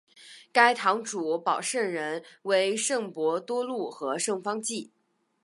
该堂主保圣人为圣伯多禄和圣方济。